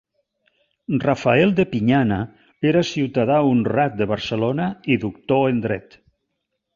Rafael de Pinyana era ciutadà honrat de Barcelona i doctor en dret.